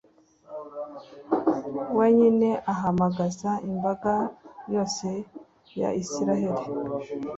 we nyine ahamagaza imbaga yose ya israheli